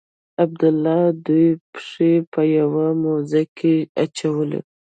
عبدالله دوې پښې په یوه موزه کې اچولي.